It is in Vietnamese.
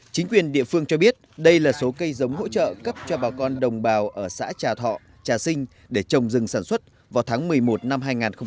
chính quyền địa phương cho biết đây là số cây giống hỗ trợ cấp cho bà con đồng bào ở xã trà thọ trà sinh để trồng rừng sản xuất vào tháng một mươi một năm hai nghìn hai mươi